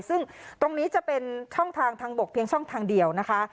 ซึ่งตรงนี้จะเป็นช่องทางทางบกเพียงช่องทางเดียวนะคะ